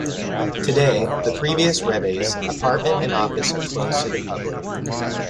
Today, the previous Rebbe's apartment and office are closed to the public.